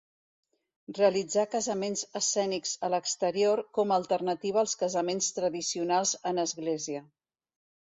Realitzar casaments escènics a l'exterior com a alternativa als casaments tradicionals en església.